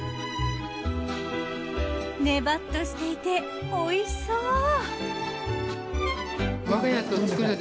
ネバっとしていておいしそう。